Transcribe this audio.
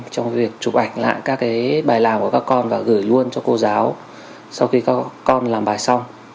trong việc chụp ảnh lại các bài làm của các con và gửi luôn cho cô giáo sau khi các con làm bài xong